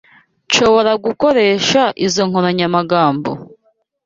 Nshobora gukoresha izoi nkoranyamagambo?